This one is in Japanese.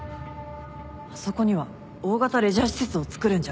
あそこには大型レジャー施設を造るんじゃ。